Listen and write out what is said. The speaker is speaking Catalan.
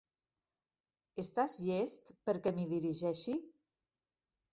Estàs llest perquè m'hi dirigeixi?